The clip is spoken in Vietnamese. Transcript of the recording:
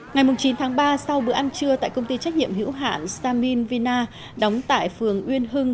ngày chín tháng ba sau bữa ăn trưa tại công ty trách nhiệm hữu hạn stamin vina đóng tại phường uyên hưng